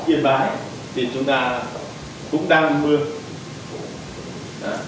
đây là biểu thồ theo dõi mưa ở khu vực lac châulove mưa đã kindam ra